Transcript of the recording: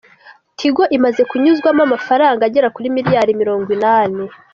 Tigo imaze kunyuzwamo amafaranga agera kuri miliyari Mirongo Inani